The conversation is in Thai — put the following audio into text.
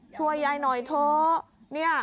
ช่วยยายหน่อยเถอะ